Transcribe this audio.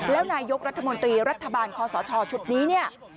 แล้วนายกรัฐมนตรีรัฐบาลคอสชชุดนี้เนี่ย